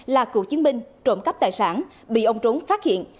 là cựu chiến binh trộm cắp tài sản bị ông trúng phát hiện